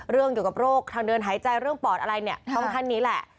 เรื่องเกี่ยวกับโรคทางเดินหายใจเรื่องปอดอะไรเนี่ยต้องท่านนี้แหละ